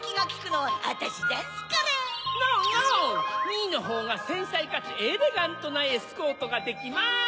ミーのほうがせんさいかつエレガントなエスコートができます！